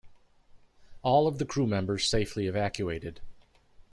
All of the crew members safely evacuated.